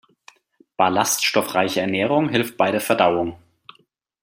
Ballaststoffreiche Ernährung hilft bei der Verdauung.